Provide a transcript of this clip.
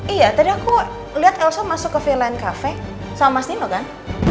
iya tadi aku liat elsa masuk cafe lain cafe sama mas nino kan